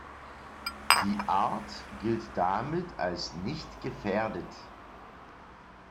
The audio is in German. Die Art gilt damit als „nicht gefährdet“.